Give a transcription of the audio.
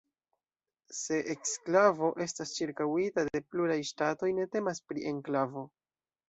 Se eksklavo estas ĉirkaŭita de pluraj ŝtatoj, ne temas pri enklavo.